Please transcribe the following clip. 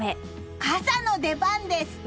傘の出番です。